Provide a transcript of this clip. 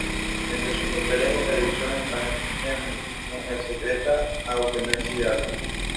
Entre sus papeles en televisión están en "Mujer secreta", como Clemencia Hidalgo.